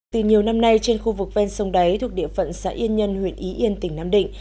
từ nhiều năm nay trên khu vực ven sông đáy thuộc địa phận xã yên nhân huyện y yên tỉnh nam định